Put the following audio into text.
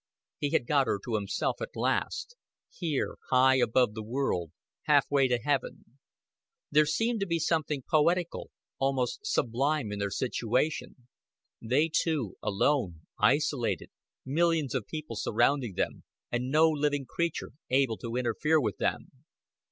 He had got her to himself at last here, high above the world, half way to heaven. There seemed to him something poetical, almost sublime in their situation: they two alone, isolated, millions of people surrounding them and no living creature able to interfere with them.